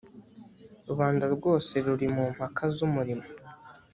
rubanda rwose ruri mu mpaka z’umurimo